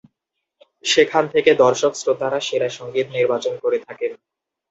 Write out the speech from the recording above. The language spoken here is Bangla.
সেখান থেকে দর্শক-শ্রোতারা সেরা সঙ্গীত নির্বাচন করে থাকেন।